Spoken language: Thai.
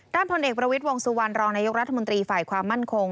พลเอกประวิทย์วงสุวรรณรองนายกรัฐมนตรีฝ่ายความมั่นคง